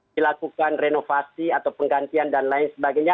dilakukan renovasi atau penggantian dan lain sebagainya